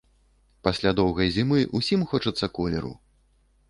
Пасля доўгай зімы ўсім хочацца колеру.